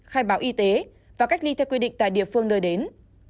khai báo y tế và cách ly theo quy định tại địa phương nơi đến